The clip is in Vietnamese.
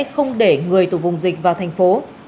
không để người tù vùng dịch vào thành phố